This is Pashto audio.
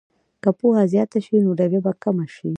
که پوهه زیاته شي، نو ویره به کمه شي.